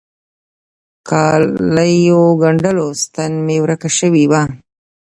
کاليو ګنډلو ستن مي ورکه سوي وه.